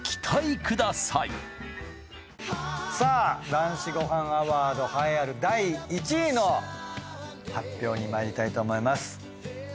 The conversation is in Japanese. さあ男子ごはんアワード栄えある第１位の発表にまいりたいと思います。